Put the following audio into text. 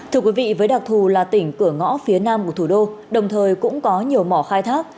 thưa quý vị với đặc thù là tỉnh cửa ngõ phía nam của thủ đô đồng thời cũng có nhiều mỏ khai thác